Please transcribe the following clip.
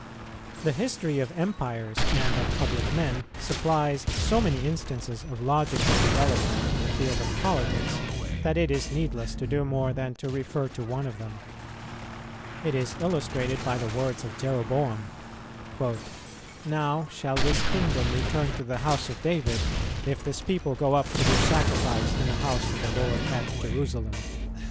The history of empires and of public men supplies so many instances of logical development in the field of politics, that it is needless to do more than to refer to one of them. It is illustrated by the words of Jeroboam, "Now shall this kingdom return to the house of David, if this people go up to do sacrifice in the house of the Lord at Jerusalem.